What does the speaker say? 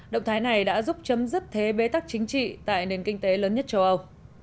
động thái này đã giúp chấm dứt thế bế tắc chính trị tại nền kinh tế lớn nhất châu âu